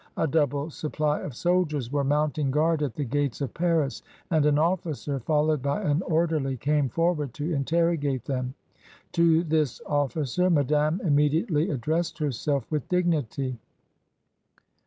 A double supply of soldiers were mounting guard at the gates of Paris, and an officer, followed by an orderly, came forward to interrogate them. To this officer Madame immediately addressed herself with dignity.